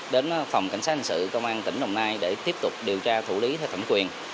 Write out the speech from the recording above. đến phòng cảnh sát hình sự công an tỉnh đồng nai để tiếp tục điều tra thủ lý theo thẩm quyền